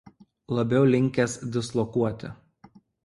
Labiau linkęs dislokuoti.